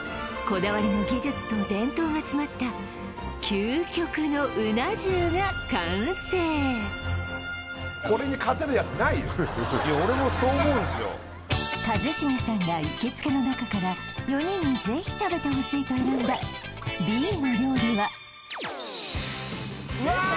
こだわりの技術と伝統が詰まった究極のうな重が完成一茂さんが行きつけの中から４人にぜひ食べてほしいと選んだＢの料理はうわ！